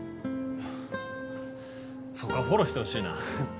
ハハそこはフォローしてほしいな。